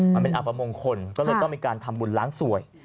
มันเป็นอัปมงคลก็เลยต้องมีการทำบุญล้างสวย